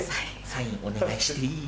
サインお願いしていい？